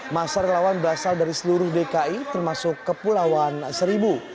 masa relawan berasal dari seluruh dki termasuk kepulauan seribu